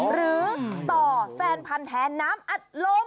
หรือต่อแฟนพันธ์แท้น้ำอัดลม